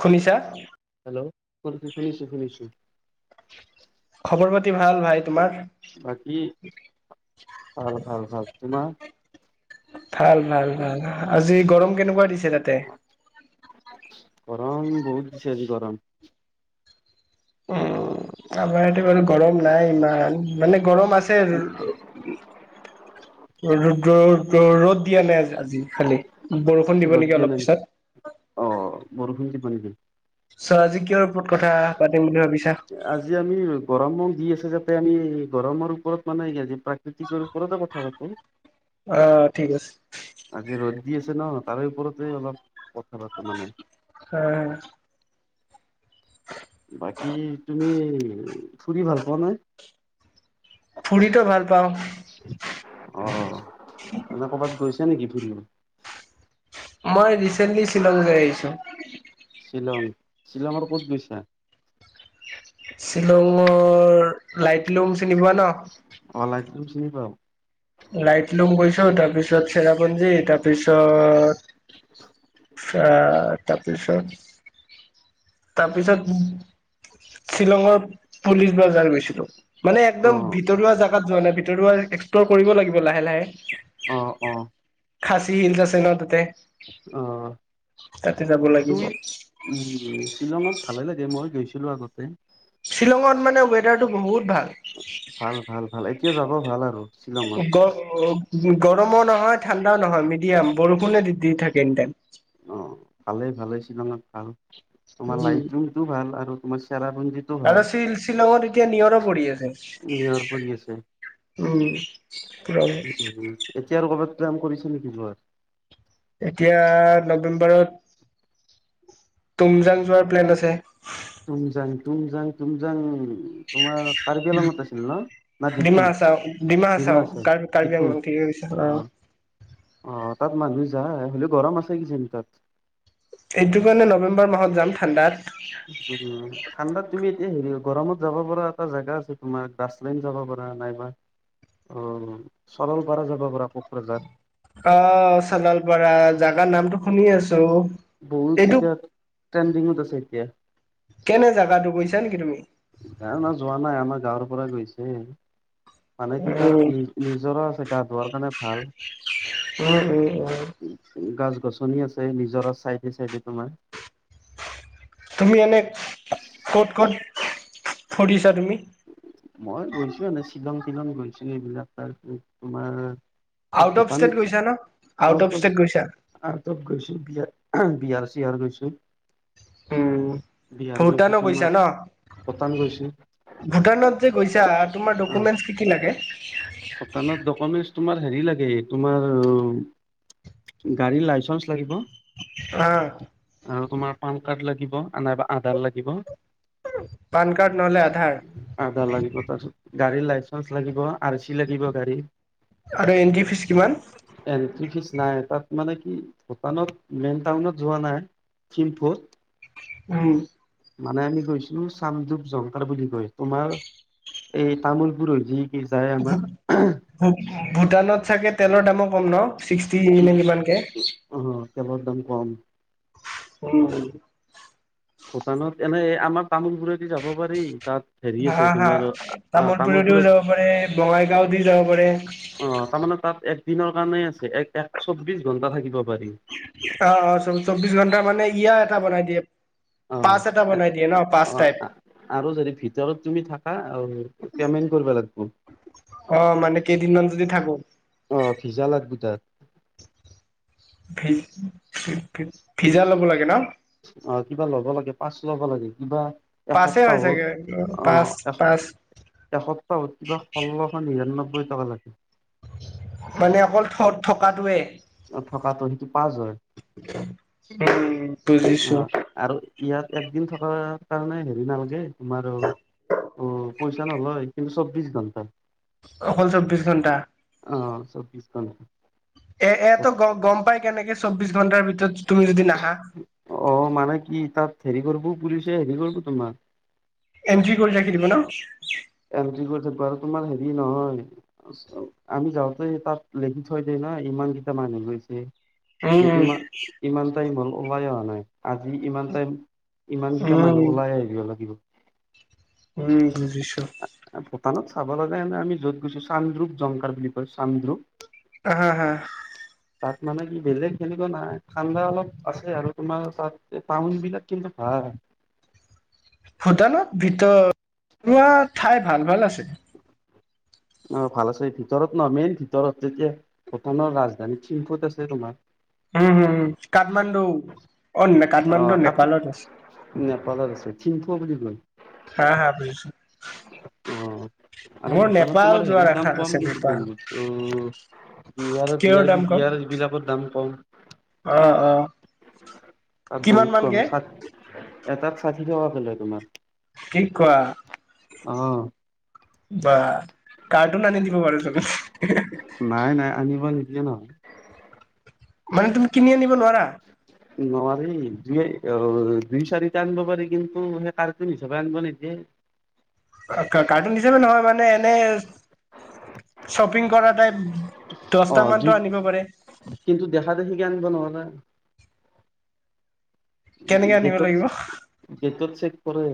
শুনিছা? হেল্লৌ' শুনিছো শুনিছো। খবৰ পাতি ভাল ভাই তোমাৰ? বাকী ভাল ভাল ভাল, তোমাৰ? ভাল ভাল ভাল, আজি গৰম কেনেকুৱা দিছে তাতে? গৰম বহুত দিছে আজি গৰম। উম' আমাৰ- বাৰু গৰম নাই ইমান, মানে গৰম আছে- ৰ ৰ ৰ'দ দিয়া নাই আজি খালি, বৰষুণ দিব নেকি অলপ পিছত। অঁ বৰষুণ দিব নেকি? আৎচ্ছা আজি কিহৰ ওপৰত কথা পাতিম বুলি ভাবিছা? আজি আমি গৰম দি আছে যাতে আমি গৰমৰ ওপৰত মানে আজি প্ৰাক- কৃতিকৰ ওপৰতে কথা পাতিম। অ' ঠিক আছে। আজি ৰ'দ দি আছে ন, তাৰে ওপৰতে অলপ কথা পাতো মানে। হয়। বাকী তুমি ফুৰি ভাল পোৱা নে? ফুৰিতো ভাল পাওঁ। অ' মানে ক'বাত গৈছে নেকি ফুৰিব? মই ৰিচেন্টলি শ্বিলং যাই আহিছো। শ্বিলং শ্বিলঙৰ ক'ত গৈছা? শ্বিলঙৰ লাইট লুম চিনি পোৱা ন। অঁ, লাইট লুম চিনি পাওঁ। লাইট লুম গৈছো তাৰপিছত চেৰাপঞ্জী তাৰপিছত- চা তাপিছত- তাৰ পিছত শ্বিলঙৰ পুলিচ বাজাৰ গৈছিলো। মানে অ একদম ভিতৰুৱা জাগাত যোৱা নাই ভিতৰুৱা এক্সপ্লৰ কৰিব লাগিব লাহে লাহে। অ অ খাচী হিলছ আছে ন তাতে। অঁ' তাতে যাব লাগিব। উম' উম' শ্বিলঙত ভালে লাগে, মই গৈছিলো আগতে। শ্বিলঙত মানে ৱেডাৰটো বহুত ভাল। ভাল ভাল ভাল, এতিয়া যাব ভাল আৰু। শ্বিলঙত গৰমো নহয় ঠাণ্ডাও নহয় মিডিয়াম বৰষুণে দি থাকে একদম। অ ভালে ভালে শ্বিলঙত ভাল, তোমাৰ উম লাইটৰুমতটো ভাল আৰু তোমাৰ চেৰাপুঞ্জী আৰু শিল-শ্বিলঙত এতিয়া নিয়ৰো পৰি আছে। নিয়ৰ পৰি আছে [unintelligible] উম এতিয়া আৰু কবাত [unintelligible] কৰিছে নেকি যোৱা এতিয়া নৱেম্বৰত তুমজং যোৱাৰ প্লেন আছে। তুমযাং, তুমযাং, তুমযাং তোমাৰ কাৰ্বি আলঙত আছিল ন? না ডিমা ডিফু, হাচাও হাচাও ডিমা হাছাও, কাৰ্বি কাৰ্বি ডিফু আংলং ঠিকে কৈছা অ'। অ', তাত মানুহ যায় হলেও গৰম আছে কিজানি তাত। এইটো কাৰণে নৱেম্বৰ মাহত যাম ঠাণ্ডাত। উম, ঠাণ্ডাত তুমি এতিয়া হেৰি গৰমত যাব পৰা এটা জেগা আছে তোমাৰ প্লেইন যাবা পাৰা নাইবা চৰলপাৰা যাব পাৰা কোকৰাঝাৰ। অ', চাৰলপাৰা, জাগাৰ নামটো শুনি আছো। বহুত এইটো এতিয়া ট্ৰেণ্ডিঙত আছে এতিয়া। কেনে জেগাটো গৈছা নেকি তুমি? না না যোৱা নাই আমাৰ গাঁৱৰ পৰা গৈছে। মানে কি তাত উম নি-নিজৰা আছে গা ধোৱাৰ কাৰণে ভাল। উম উম উম গছ গছনি আছে, নিজৰা চাইডে চাইডে তোমাৰ। তুমি এনে ক'ত ক'ত ফুৰিছা তুমি? মই গৈছো এনেই শ্বিলং তিলং গৈছো এইবিলাক তাৰপিছত তোমাৰ এই আউট অফ ভূটান ষ্টেট গৈছা ন, আউট অফ ষ্টেট গৈছা? আউটত গৈছো, বিয়া বিহাৰ চিহাৰ গৈছো। উম বিহাৰ ভূটানো গৈছো গৈছা তোমাৰ, ন পটান গৈছো। ভূটানত যে গৈছা তোমাৰ অ'। ডকুমেন্ট কি কি লাগে? ভূটানত ডকুমেন্টচ তোমাৰ হেৰি লাগে তোমাৰ গাড়ীৰ লাইচেন্ঞ্চ লাগিব। অ'। আৰু তোমাৰ পান কাৰ্ড লাগিব নাইবা আধাৰ লাগিব। পান কাৰ্ড নহলে আধাৰ। আধাৰ লাগিব, তাৰপিছত গাড়ীৰ লাইচেন্ঞ্চ লাগিব, আৰ চি লাগিব গাড়ী আৰু এনট্ৰি ফিজ কিমান? এন্ট্ৰি ফিজ নাই, তাত মানে কি ভূটানত মেইন টাউনত যোৱা নাই। থিম্পুত উম। মানে আমি গৈছিলো চামদুপ জংকাৰ বুলি কৈ তোমাৰ এই তামোল পুৰো যি কি যায় আমাৰ ভূটানত চাগে তেলৰ দামো কম ন ছিক্সটি নে কিমানকে অ', তেলৰ দাম কম। উম। ভূটানত এনেই আমাৰ তামোলপুৰেদি যাব পাৰি তাত হেৰি আছে হা হা তোমাৰ অ তামোলপুৰে দিও তামোলপুৰত যাব পাৰে বঙাইগাঁও দিও যাব পাৰে। অ', তাৰমানে তাত এক দিনৰ কাৰণেই আছে এক এক চৌব্ববিশ ঘণ্টা থাকিব পাৰি। অ', অ', চ-চৌবিশ ঘণ্টা মানে ইয়া এটা বনাই দিয়ে। পাচ এটা অ বনাই দিয়ে ন, পাচ অ', টাইপ। আৰু যদি ভিতৰত তুমি থাকা, পেমেন্ট কৰিব লাগব। অ', মানে কেইদিনমান যদি থাকো। অ ভিজা লাগব তাত ভি ভিজা ল'ব লাগে ন অ কিবা ল'ব লাগে পাচ ল'ব লাগে কিবা পাছে হয় এসপ্তাহত চাগে অ পাচ পাচ এসপ্তাহত কিবা ষোল্ল নিৰান্নব্বৈ টকা লাগে মানে অকল থত থকাটোৱে থকাটো যদি পাছ হয় উম বুজিছো অ', আৰু ইয়াত একদিন থকাৰ কাৰণে হেৰি নালাগে তোমাৰ অ পইচা নলয় কিন্তু চৌ্বিছ ঘণ্টা অকল চৌব্বিশ ঘন্টা অ', চৌবিশ ঘন্টা এ এয়াতো গ গম পাই কেনেকে চৌবিশ ঘণ্টাৰ ভিতৰত তুমি যদি নাহা অ মানে কি তাত হেৰি কৰিবো পুলিচে হেৰি কৰিব তোমাক এনট্ৰি কৰি ৰাখি দিব ন এণ্ট্ৰি কৰোটে বাৰু তোমাৰ হেৰি নহয় আমি যাওঁতে তাত লেখি থৈ দেই ন ইমান কেইটা মানুহ গৈছে যে উম ইমান ইমান টাইম হ'ল ওলাই অহা নাই আজি ইমান টাইম ইমান উম কেইটা মানুহ উম ওলাই আহিব লাগিব উম বুজিছো ভূটানত চাব লগা নাই আমি য'ত গৈছো চাৰোপ জংকাৰ বুলি কৈ চানৰোপ হা হা তাত মানে কি বেলেগ সেনেকুৱা নাই ঠাণ্ডা অলপ আছে আৰু তোমাৰ তাত টাউন বিলাক কিন্তু ভাল ভূটানত ভিতৰত পুৰা ঠাই ভাল ভাল আছে অ ভাল আছে ভিতৰত নহ মেইন ভিতৰত যেতিয়া ভূটানৰ ৰাজধানী থিম্পুত আছে তোমাৰ উম হম কাঠমাণ্ডু অ নে অ কাঠমাণ্ডু ক নেপালত আছে নেপালত আছে থিম্পু বুলি কয় হা হা বুজিছো অ আৰু মোৰ ভূটানত নেপাল তোমাৰ যোৱাৰ হেৰিত আশা দাম কম আছে কিন্তু ত' নেপাল বিয়েৰ কিহৰ বিয়েৰ দাম বি কম বিয়েৰ বিলাকৰ দাম কম অ অ তাত কিমান বহুত মান কম কে চাত এটাত ষাঠি টকাকে লয় তোমাৰ কি কোৱা অ বা কাৰ্টুন আনি দিব পাৰু চবে নাই নাই আনিব নিদিয়ে ন মানে তুমি কিনি আনিব নোৱাৰা [unintelligible] নোৱাৰি দুই অ দুই চাৰিটা আনিব পাৰি কিন্তু সেই কাৰ্টুন হিচাপে আনিব নিদিয়ে কাৰ্টুন হিচাপে নহয় মানে এনে শ্বপিং কৰা টাইপ অ দহটা মানতো দুই আনিব পাৰে কিন্তু দেখা দেখিকে আনিব নোৱাৰে উ কেনেকে আনিব সেটোত লাগিব গেটতত চেক কৰে,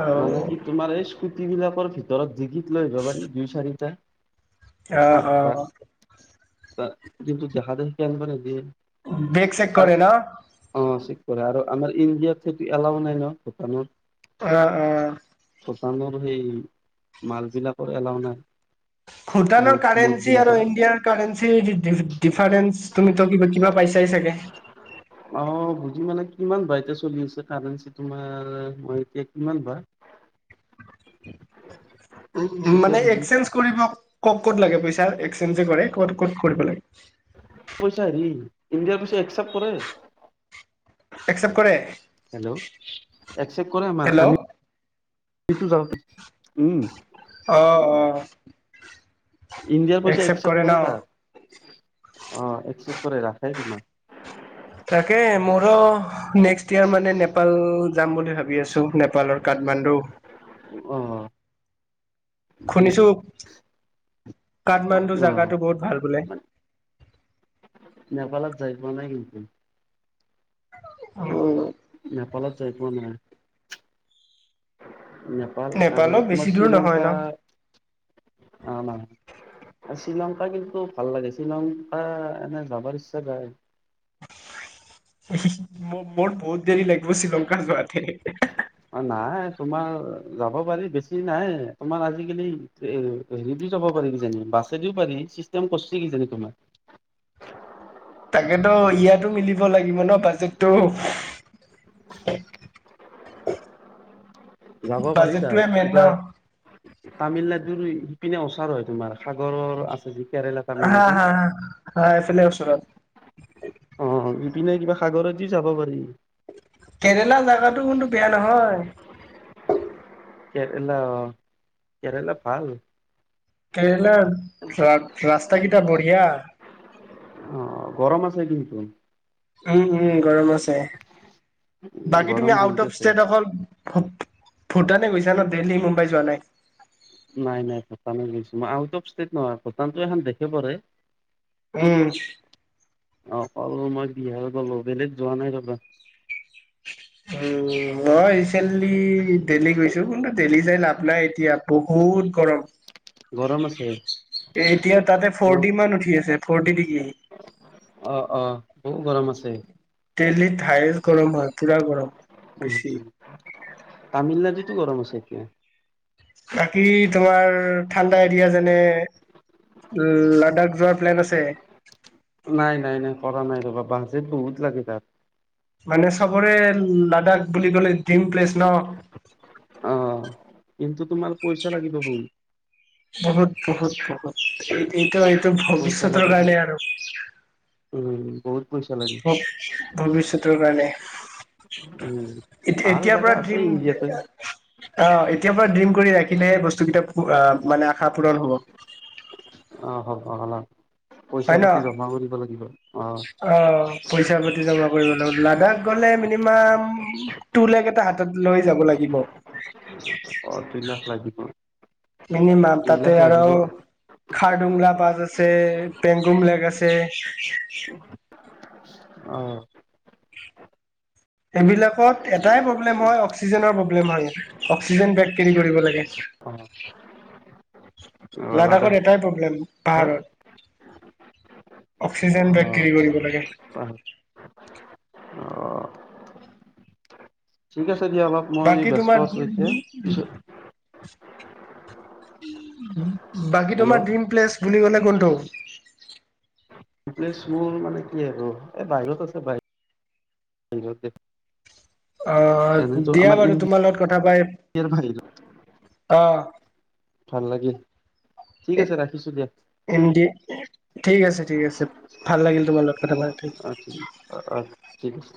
অ মানে কি? তোমাৰ এই স্কুট বিলাকৰ ভিতৰত জিকিত লৈ আহিব পাৰি দুই চাৰিটা। অ আঠটা কিন্তু দেখা দেখি কে আনিব নিদিয়ে। বেগ চেখ কৰে না? অ বেগ চেক কৰে আৰু আমাৰ ইণ্ডিয়াত সেইটো এলাও নাই ন ভূটানত। অ' অ'। শ্বহানৰ সেই মাল বিলাকৰ এলাও নাই। ভূটানৰ মদ মদ কাৰেঞ্চি, আৰু বিলাকৰ ইণ্ডিয়াৰ কাৰেঞ্চিৰ, ডিফাৰেঞ্চ তুমি ত কিবা পাইছাই চাগে? অ বুজি মানে কিমান বাইটে চলি আছে কাৰেঞ্চি তোমাৰ, মই এতিয়া কিমান বা। [unintelligible] [unintelligible] উম এতিয়া মানে বুজি এক্সচেঞ্জ কৰিব ক'ত ক'ত লাগে পইচা, এক্সেঞ্জে যে কৰে, ক'ত ক'ত কৰিব লাগে? পইচা হেৰি, ইণ্ডিয়াৰ পইচা একচেপ্ট কৰে। একচেপ্ট কৰে? হেল্ল' একচেপ্ত কৰে আমাৰ, হেল্ল' আমি যাওঁতে উম। অ'অ'। ইণ্ডিয়াৰ পইচা একচেপ্ট ন কৰে তাত, অ একচেপ্ত কৰে ৰাখে তোমাৰ। তাকে মোৰ। নেক্সট ইয়াৰ মানে নেপাল যাম বুলি ভাবি আছো। নেপালৰ কাঠমাণ্ডু। অ। শুনিছো, কাঠমাণ্ডু অ জাগাটো বহুত ভাল বোলে। নেপালত যাই পোৱা নাই কিন্তু। অ। নেপালত যায় পোৱা নাই। নেপাল আৰু নেপালো তোমাৰ বেছি দূৰ নহয় শ্ৰীলংকা ন অ না। শ্ৰীলংকা কিন্তু ভাল লাগে, শ্ৰীলংকা এনে যাব ইচ্ছা যায়। মোৰ বহুত দেৰি লাগিব শ্ৰীলংকাৰ যোৱাতে। অ নাই তোমাৰ যাব পাৰি, বেছি নাই তোমাৰ আজিকালি এ হেৰি দি যাব পাৰি কিজানি, বাছে দিও পাৰি, চিষ্টেম কৰচি কিজানি তোমাৰ। তাকেতো ইয়াতো মিলিব লাগিব ন বাজেটটো। [unintelligible] যাব পাৰি তাত, বাজেটটোৱে মেইন ন কিবা। তামিলনাডুৰ ইপিনে ওচৰ হয় তোমাৰ, সাগৰৰ আছে যি কেৰেলা। হা, তামিলনাডু হা, হা এইফালে ওচৰত। অঁ ইপিনে কিবা সাগৰে দি যাব পাৰি। কেৰেলা জোগাটো কিন্তু বেয়া নহয়। কেৰেল, কেৰেলা ভাল। কেৰেলাৰ, ৰাস্তা কিটা বঢ়িয়া। অ গৰম আছে কিন্তু। উম' উম' গৰম আছে, বাকী তুমি গৰম আউট বহুত অফ আছে ষ্টেট অকল। ভূটানে গৈছা ন, দেল্হী মুম্বাই যোৱা নাই? নাই নাই ভটান গৈছো মই, আউট অফ ষ্টেট নহয়, ভূটানতো এখন দেশে পৰে। উম। অকল মই বিহাৰত গ'লোঁ, বেলেগ যোৱা নাই ৰবা। [inaudible] উম মই ৰিচেণ্টলি দেলহী গৈছো, কিন্তু দেলহী যায় লাভ নাই এতিয়া, বহুত গৰম। [inaudible] আছে এতিয়া তাতে বহুত ফৰ্টি মান উঠি আছে, ফৰ্টি ডিগ্ৰী। অ' অ' বহুত গৰম আছে। দেলহীত হায়েষ্ট গৰম হয়, পুৰা গৰম, উম বেছি। তামিলনাডুতো গৰম আছে এতিয়া। বাকী তোমাৰ ঠাণ্ডা এৰিয়া যেনে উ, লাডাখ যোৱাৰ প্লেন আছে? নাই নাই নাই, কৰা নাই ৰ'বা, বাজেট বহুত লাগে তাত। মানে চবৰে লাডাখ বুলি ক'লে ড্ৰিম প্লেচ ন'। অ' কিন্তু তোমাৰ পইচা লাগিব বহুত। বহুত বহুত বহুত, এইটো এইটো পইচা ভৱিষ্যতৰ লাগিব কাৰণে আৰু। উম বহুত পইচা লাগে ভৱ-ভৱিষ্যতৰ কাৰণে। উম এতিয়া ভাল এতিয়াৰ জেগা পৰা আছে ড্ৰীম ইণ্ডিয়াতে অ' এতিয়াৰ পৰা ড্ৰীম কৰি ৰাখিলেহে বস্তু কেইটা মানে আশা পূৰণ হ'ব। অ' হ'ব হ'লেও হয় পইচা পাতি ন জমা কৰিব লাগিব। অ'। অ' পইচা পাতি জমা কৰিব লাগিব। লাডাখ গ'লে মিনিমাম টু লেক এটা হাতত লৈ যাব লাগিব। অ' দুই লাখ লাগিব। মিনিমাম দুই তাতে লাখ লাগিব আৰু খাৰডোংলা পাছ আছে, পেংগুম লেক আছে অ'। সেইবিলাকত এটাই প্ৰব্লেম হয়, অক্সিজেনৰ প্ৰব্লেম হয়। অক্সিজেন বেগ কেৰি কৰিব লাগে। অ লাডাখৰ লাডাখত এটাই প্ৰব্লেম পাহাৰৰ। অক্সিজেন বেগ কেৰি কৰিব লাগে। অ অ' ঠিক আছে দিয়া অলপ মই বাকী ব্যস্ত তোমাৰ আছোঁ এতিয়া, পিছ বাকী হেল্ল' তোমাৰ ড্ৰিম প্লেচ বুলি ক'লে কোনটো? ড্ৰিম প্লেছ মোৰ মানে কি আৰু এই বাহিৰত আছে। বাহ [unintelligible] অ' এনেতো দিয়া আমাৰ বাৰু ইণ্ডিয়াৰ তোমাৰ লগত কথা পাই, বাহিৰত অ'। ভাল লাগিল, ঠিক আছে ৰাখিছোঁ দিয়া। এন দি, ঠিক আছে ঠিক আছে ভাল লাগিল তোমাৰ লগত কথা পা [unintelligible] ঠিক আছে।